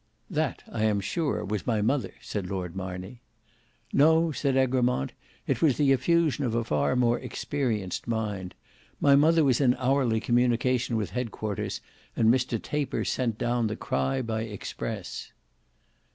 "That I am sure was my mother," said Lord Marney. "No," said Egremont; "it was the effusion of a far more experienced mind. My mother was in hourly communication with head quarters, and Mr Taper sent down the cry by express."